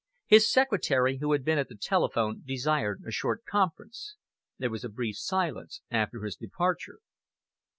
His secretary; who had been at the telephone, desired a short conference. There was a brief silence after his departure.